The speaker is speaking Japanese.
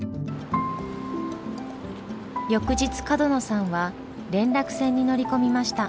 翌日角野さんは連絡船に乗り込みました。